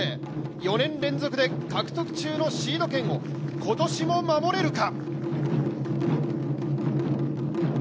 ４年連続で獲得中のシード権を今年も守れるか。